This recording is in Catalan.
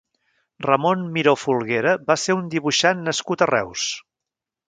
Ramon Miró Folguera va ser un dibuixant nascut a Reus.